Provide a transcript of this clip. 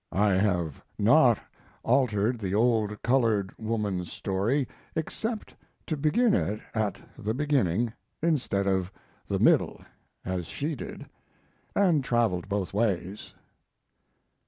I have not altered the old colored woman's story, except to begin it at the beginning, instead of the middle, as she did and traveled both ways.